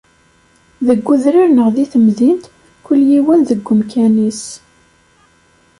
Deg udrar neɣ di temdint kul yiwen deg umkan-is.